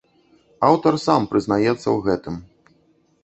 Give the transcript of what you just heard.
Аўтар сам прызнаецца ў гэтым.